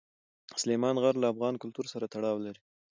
سلیمان غر له افغان کلتور سره تړاو لري.